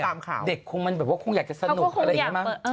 แบบว่าเด็กคงอยากจะสนุกอะไรอย่างนี้มั้ง